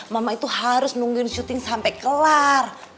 mama itu harus nungguin syuting sampai kelar